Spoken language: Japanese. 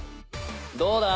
どうだ？